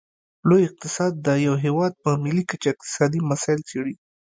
لوی اقتصاد د یو هیواد په ملي کچه اقتصادي مسایل څیړي